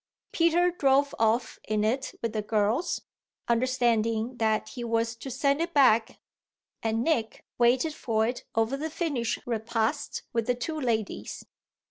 Peter drove off in it with the girls, understanding that he was to send it back, and Nick waited for it over the finished repast with the two ladies.